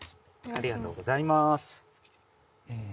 ありがとうございますえ